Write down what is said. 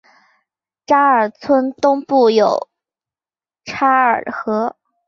查尔村东部有嚓尔河。